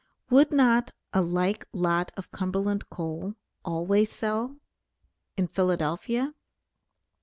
Would not a like lot of Cumberland coal always sell in Philadelphia?